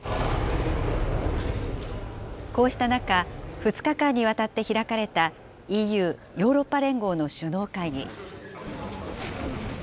こうした中、２日間にわたって開かれたＥＵ・ヨーロッパ連合の首脳会議。